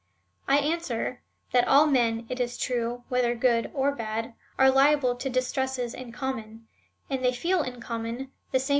I answer, that all men, it is true, whether good or bad, are liable to distresses in common, and they feel in common the same